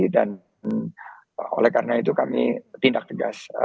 dan oleh karena itu kami tindak tegas